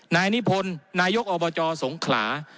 นายนิพนธ์นายกอบจสงขลา